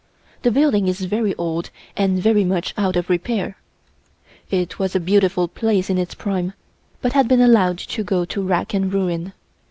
The building is very old and very much out of repair. It was a beautiful place in its prime, but had been allowed to go to rack and ruin.